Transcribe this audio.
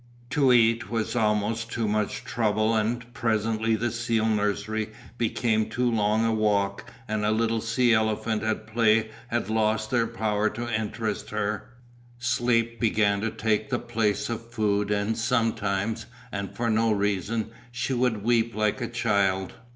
To eat was almost too much trouble and presently the seal nursery became too long a walk and the little sea elephants at play had lost their power to interest her. Sleep began to take the place of food and sometimes, and for no reason, she would weep like a child.